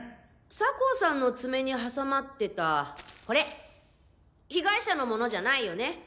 酒匂さんの爪に挟まってたこれ被害者のものじゃないよね。